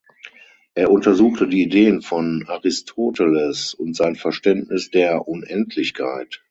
Er untersuchte die Ideen von Aristoteles und sein Verständnis der Unendlichkeit.